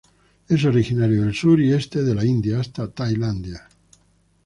Es originario del sur y este de la India hasta Tailandia.